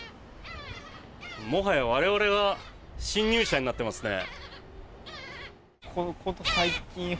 もはや我々が侵入者になってますね。